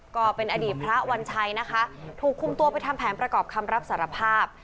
ก็เป็นอดีตพระวัญชัยนะคะถูกคุมตัวไปทำแผนประกอบคำรับสารภาพ